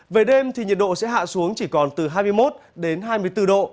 về đêm thì nhiệt độ sẽ hạ xuống chỉ còn từ hai mươi một đến hai mươi bốn độ